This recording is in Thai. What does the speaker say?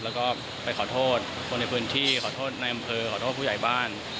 แล้วก็ไปขอโทษคนในพื้นที่ขอโทษในอำเภอขอโทษผู้ใหญ่บ้าน